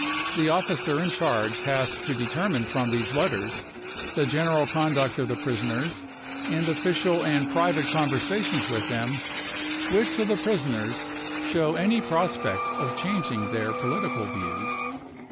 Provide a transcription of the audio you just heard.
The officer in charge has to determine from these letters, the general conduct of the prisoners, and official and private con versations with them, which of the prisoners shows any prospect of changing their political views.